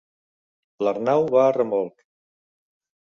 L'Arnau va a remolc.